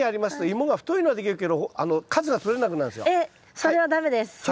それは駄目です。